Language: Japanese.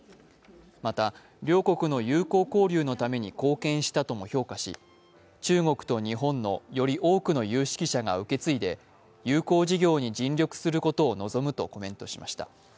また両国の友好交流のために貢献したとも評価し中国と日本のより多くの有識者が受け継いで友好事業に尽力することを望むとコメントしました。